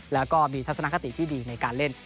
แล้วก็มีทัศนคติที่ดีในการเล่น